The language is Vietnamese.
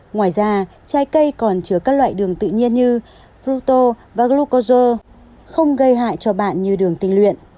ngoài ra trái cây còn chứa các loại đường tự nhiên như fructose và glucose không gây hại cho bạn như đường tình luyện